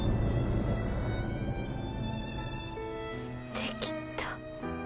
できた。